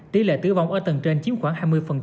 tỷ lệ tử vong ở tầng trên chiếm khoảng hai mươi